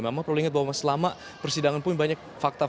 memang perlu diingat bahwa selama persidangan pun banyak fakta